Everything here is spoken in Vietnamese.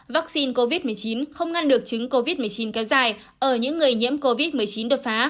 vaccine covid một mươi chín không ngăn được chứng covid một mươi chín kéo dài ở những người nhiễm covid một mươi chín đột phá